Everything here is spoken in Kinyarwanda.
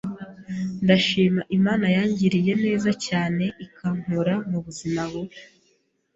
Ndashima Imana yangiriye neza cyne ikankura mu buzima bubi